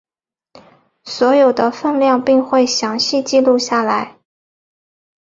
所得的份量并会详细记录下来。